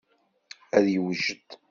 Ad yewjed.